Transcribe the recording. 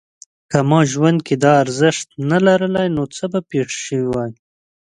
که ما ژوند کې دا ارزښت نه لرلای نو څه به پېښ شوي وای؟